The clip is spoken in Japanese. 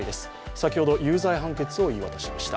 先ほど有罪判決を言い渡しました。